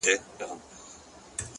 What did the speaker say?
د هر تورى لړم سو ، شپه خوره سوه خدايه،